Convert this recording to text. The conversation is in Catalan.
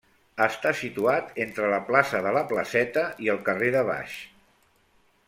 Està situat entre la plaça de la Placeta i el carrer de Baix.